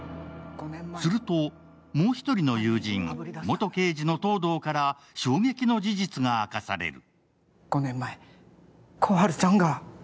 すると、もう１人の友人、元刑事の東堂から衝撃の事実が明かされる。